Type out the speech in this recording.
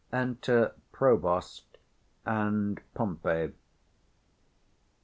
_ _Enter PROVOST and POMPEY.